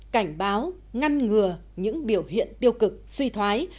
cảnh báo ngăn ngừa những biểu hiện tiêu cực suy thoái